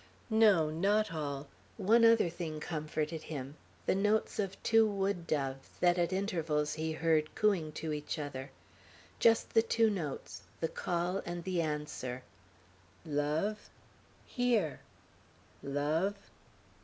No, not all; one other thing comforted him, the notes of two wood doves, that at intervals he heard, cooing to each other; just the two notes, the call and the answer, "Love?" "Here." "Love?"